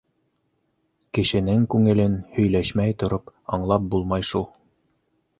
Кешенең күңелен һөйләшмәй тороп аңлап булмай шул.